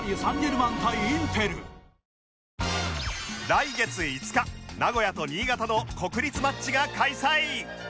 来月５日名古屋と新潟の国立マッチが開催